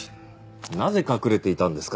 なぜ隠れていたんですか？